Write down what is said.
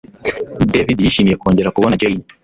David yishimiye kongera kubona Jane